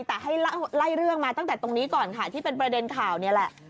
แต่ให้ไล่เรื่องมาตั้งแต่ตรงนี้ก่อนค่ะที่เป็นประเด็นข่าวนี่แหละ